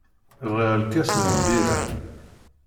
Bɣiɣ lkas n lbirra.